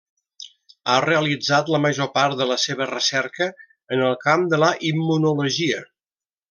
Ha realitzat la major part de la seva recerca en el camp de la immunologia.